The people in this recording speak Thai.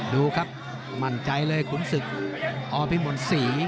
ดูครับมั่นใจเลยขุนสึกอพิมพ์หม่อนศรี